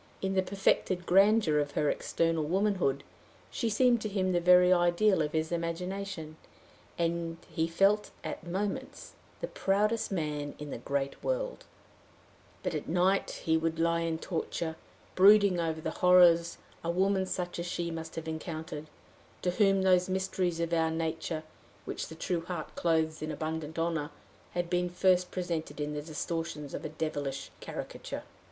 In the perfected grandeur of her external womanhood, she seemed to him the very ideal of his imagination, and he felt at moments the proudest man in the great world; but at night he would lie in torture, brooding over the horrors a woman such as she must have encountered, to whom those mysteries of our nature, which the true heart clothes in abundant honor, had been first presented in the distortions of a devilish caricature.